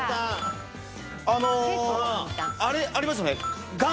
あのアレありますよね